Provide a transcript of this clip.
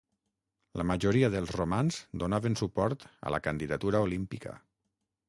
La majoria dels romans donaven suport a la candidatura olímpica.